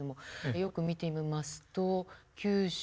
よく見てみますと九州